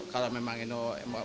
kalau memang itu